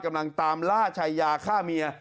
กำลังตามล่าชายาฆ่าเมีย